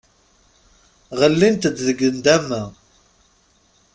Ɣellint-d deg nndama.